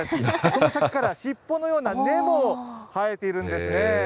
その先から尻尾のような根も生えているんですね。